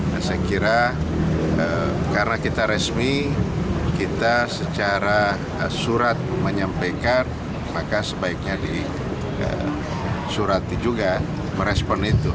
nah saya kira karena kita resmi kita secara surat menyampaikan maka sebaiknya disurati juga merespon itu